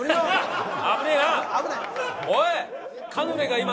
おい！